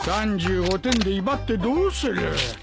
３５点で威張ってどうする。